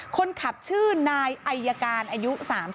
คนขับชื่อนายอายการอายุ๓๓